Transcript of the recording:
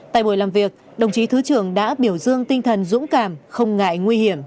tại buổi làm việc đồng chí thứ trưởng đã biểu dương tinh thần dũng cảm không ngại nguy hiểm